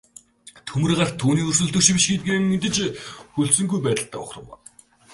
Төмөр гарт түүний өрсөлдөгч биш гэдгээ мэдэж хүлцэнгүй байдалтай ухрав.